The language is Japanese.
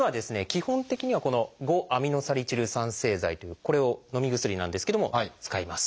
基本的にはこの５−アミノサリチル酸製剤というこれをのみ薬なんですけども使います。